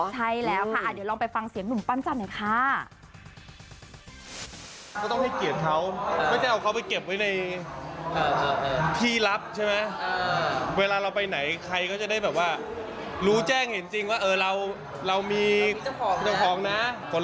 เจอกันจะถามก๊อฟอ่านอหม่อน